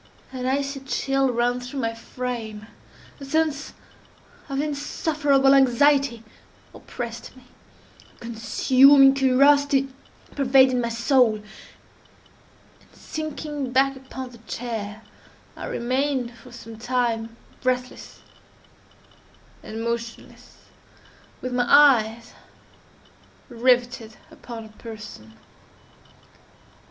An icy chill ran through my frame; a sense of insufferable anxiety oppressed me; a consuming curiosity pervaded my soul; and sinking back upon the chair, I remained for some time breathless and motionless, with my eyes riveted upon her person.